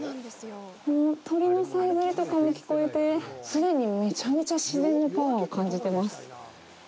鳥のさえずりとかも聞こえて既にめちゃめちゃ自然のパワーを感じてます。